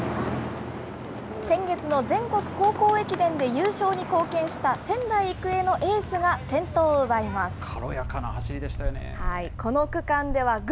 先月の全国高校駅伝で優勝に貢献した、仙台育英のエースが先頭を奪います。